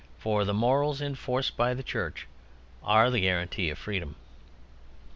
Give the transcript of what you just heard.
For the morals enforced by the Church are the guarantee of freedom.